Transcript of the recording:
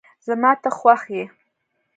زما ته خوښ یی